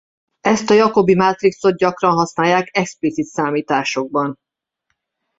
Ezt a Jacobi-mátrixot gyakran használják explicit számításokban.